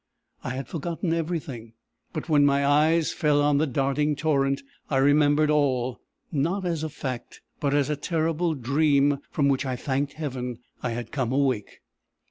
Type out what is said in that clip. I had forgotten everything; but when my eyes fell on the darting torrent, I remembered all not as a fact, but as a terrible dream from which I thanked heaven I had come awake.